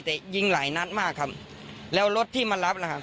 แต่ยิงหลายนัดมากครับแล้วรถที่มารับนะครับ